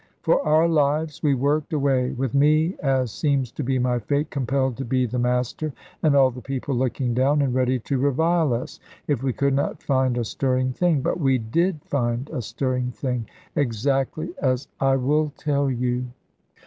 For our lives we worked away with me (as seems to be my fate) compelled to be the master and all the people looking down, and ready to revile us, if we could not find a stirring thing. But we did find a stirring thing, exactly as I will tell you.